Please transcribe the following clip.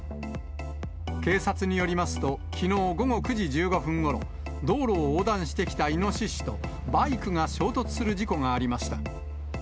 警察によりますと、きのう午後９時１５分ごろ、道路を横断してきたイノシシとバイクが衝突する事故がありました。